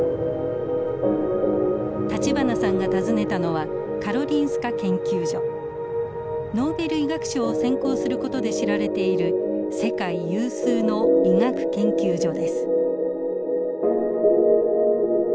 立花さんが訪ねたのはノーベル医学賞を選考する事で知られている世界有数の医学研究所です。